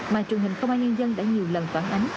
mà truyền hình không ai nhân dân đã nhiều lần phản ánh